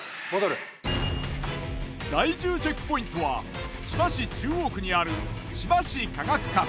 第１０チェックポイントは千葉市中央区にある千葉市科学館。